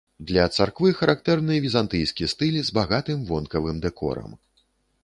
Для царквы характэрны візантыйскі стыль з багатым вонкавым дэкорам.